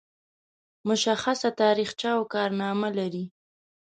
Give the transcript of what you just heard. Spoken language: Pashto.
مشخصه تاریخچه او کارنامه لري.